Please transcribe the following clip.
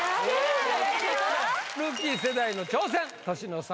ルーキー世代の挑戦年の差